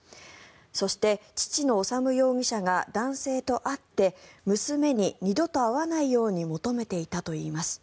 そして、父の修容疑者が男性と会って娘に二度と会わないように求めていたといいます。